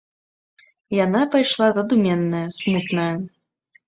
Яна пайшла задуменная, смутная.